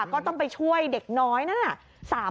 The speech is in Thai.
ก็ต้องไปช่วยเด็กน้อยนั่นน่ะ